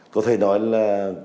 có thể nói là